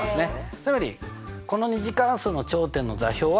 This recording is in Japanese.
つまりこの２次関数の頂点の座標は？